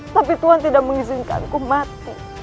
tapi tuhan tidak mengizinkanku mati